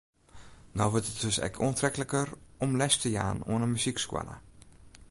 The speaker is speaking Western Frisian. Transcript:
No wurdt it dus ek oantrekliker om les te jaan oan in muzykskoalle.